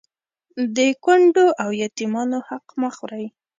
د کونډو او يتيمانو حق مه خورئ